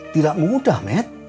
tidak mudah med